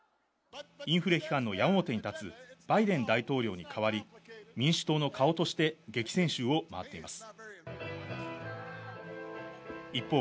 インフレ批判の矢面に立つバイデン大統領に代わり、民主党の顔として激戦州を回っています。